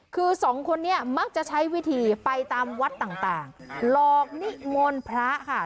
คือสองคนนี้มักจะใช้วิธีไปตามวัดต่างหลอกนิมนต์พระค่ะ